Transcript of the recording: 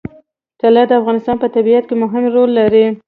طلا د افغانستان په طبیعت کې مهم رول لري.